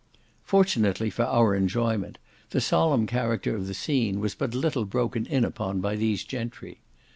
Fortunately for our enjoyment, the solemn character of the scene was but little broken in upon by these gentry.